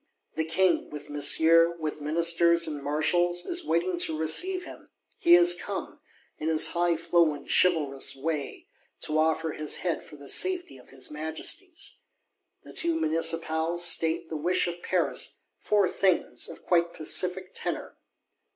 The King, with Monsieur, with Ministers and Marshals, is waiting to receive him: He 'is come,' in his highflown chivalrous way, 'to offer his head for the safety of his Majesty's.' The two Municipals state the wish of Paris: four things, of quite pacific tenor.